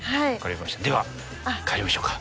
では帰りましょうか。